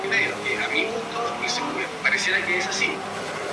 A esto le siguió el lanzamiento europeo de la consola al año siguiente.